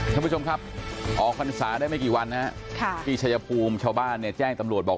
ที่ปุชชมครับออกการศึกษาได้ไม่กี่วันนะที่ชายภูมิชาวบ้านแจ้งตำรวจบอก